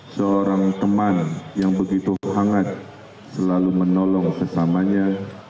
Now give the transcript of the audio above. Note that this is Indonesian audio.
seorang teman yang begitu hangat selalu menolong sesamanya